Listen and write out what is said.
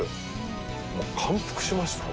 もう感服しましたね